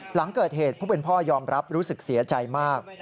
หลังเกิดเหตุผู้เป็นพ่อยอมรับรู้สึกเสียใจมาก